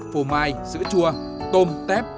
phô mai sữa chua tôm tép